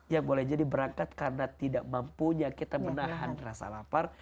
yang boleh jadi berangkat karena tidak mampunya kita menahan rasa lapar